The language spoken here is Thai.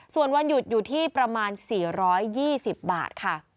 ส่วนวันหยุดอยู่ที่ประมาณ๔๒๐บาทค่ะ